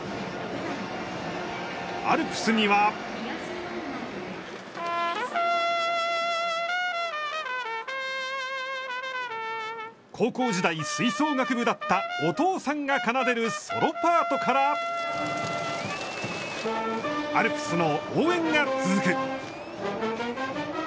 アルプスには高校時代、吹奏楽部だったお父さんが奏でるソロパートからアルプスの応援が続く。